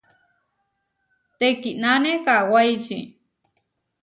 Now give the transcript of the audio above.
Teʼkínane kawáiči.